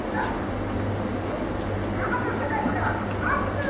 • دا وینا یې په څو څو ځله کوله -